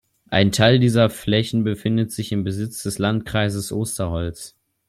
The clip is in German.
Ein Teil dieser Flächen befindet sich im Besitz des Landkreises Osterholz.